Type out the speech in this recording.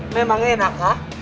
memang enak ha